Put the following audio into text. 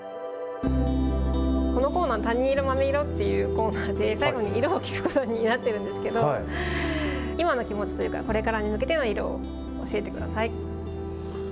このコーナー、たに色まみ色というコーナーで、最後に色を聞くことになっているんですけれども今の気持ちというか、これからに向けての色を教えてください。